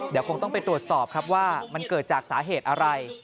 เดี๋ยวคงต้องไปตรวจสอบครับว่ามันเกิดจากสาเหตุอะไร